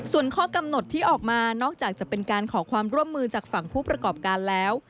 ส่วนข้อกำหนดที่ออกมานอกจากจะเป็นการขอความร่วมมือจากฝั่งผู้ประกอบการแล้ว